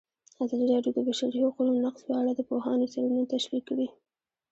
ازادي راډیو د د بشري حقونو نقض په اړه د پوهانو څېړنې تشریح کړې.